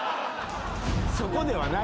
そこではない。